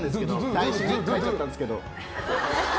台紙に描いちゃったんですけど。